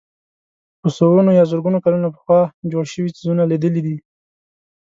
په سوونو یا زرګونو کلونه پخوا جوړ شوي څېزونه لیدلي.